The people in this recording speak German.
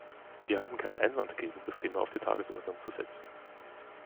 Wir haben keinen Einwand dagegen, das Thema auf die Tagesordnung zu setzen.